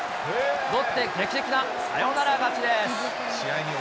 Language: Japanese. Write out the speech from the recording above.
ロッテ、劇的なサヨナラ勝ちです。